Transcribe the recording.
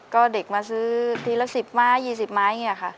ก็เด็กมาซื้อทีละ๑๐ไม้๒๐ไม้อย่างนี้ค่ะ